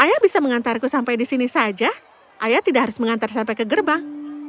ayah bisa mengantarku sampai di sini saja ayah tidak harus mengantar sampai ke gerbang